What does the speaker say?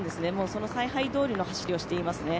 その采配どおりの走りをしていますね。